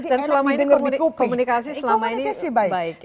dan selama ini komunikasi baik ya